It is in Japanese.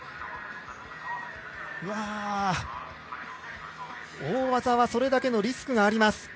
うわ大技はそれだけのリスクがあります。